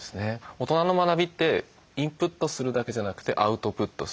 大人の学びってインプットするだけじゃなくてアウトプットする。